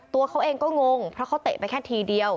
ตัวเขาเองก็งงเพราะเขาเตะไปแค่ทีเดียว